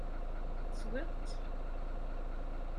Teswiḍ-tt?